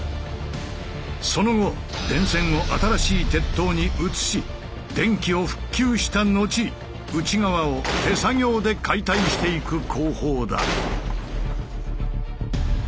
その後電線を新しい鉄塔に移し電気を復旧した後内側を手作業で解体していく工法だ。